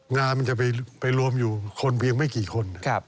งานมันจะไปรวมอยู่คนเพียงไม่กี่คน